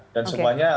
tiga dan semuanya